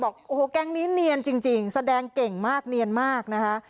บอกโอ้โหแก๊งนี้เนียนจริงแสดงเก่งมากเนียนมากนะคะ